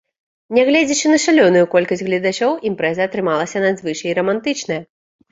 Нягледзячы на шалёную колькасць гледачоў, імпрэза атрымалася надзвычай рамантычная.